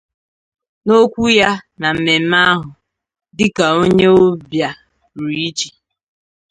N'okwu ya na mmemme ahụ dịka onye ọbịa pụrụ iche